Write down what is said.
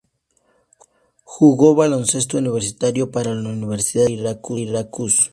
Jugó baloncesto universitario para la Universidad de Syracuse.